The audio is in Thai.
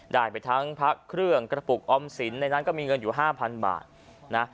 ได้ไปทั้งพระเครื่องกระปุกออมสินในนั้นก็มีเงินอยู่๕๐๐บาทนะ